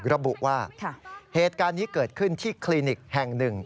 ระบุว่าเหตุการณ์นี้เกิดขึ้นที่คลินิกแห่งหนึ่ง